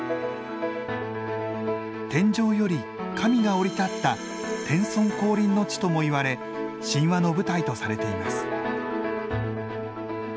天上より神が降り立った天孫降臨の地ともいわれ神話の舞台とされています。